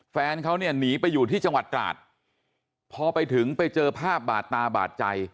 แฟนเขาเนี่ยหนีไปอยู่ที่จังหวัดตราดพอไปถึงไปเจอภาพบาดตาบาดใจ